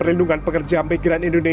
jika bekerja di negara tujuan